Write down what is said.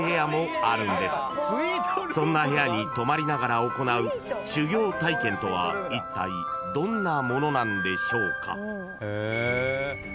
［そんな部屋に泊まりながら行う修行体験とはいったいどんなものなんでしょうか？］